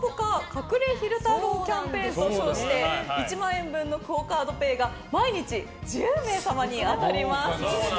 隠れ昼太郎キャンペーンと称しまして１万円のＱＵＯカードＰａｙが毎日１０名様に当たります！